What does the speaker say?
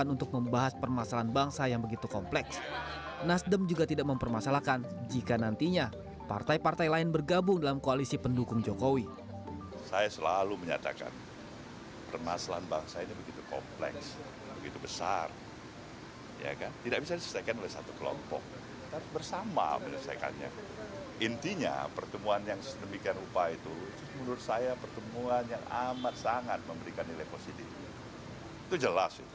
untuk menjadi bagian dari kabinet barunya